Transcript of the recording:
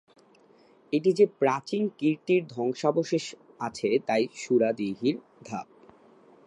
এটি যে প্রাচীন কীর্তির ধ্বংসাবশেষ আছে তাই সুরা দীঘির ধাপ।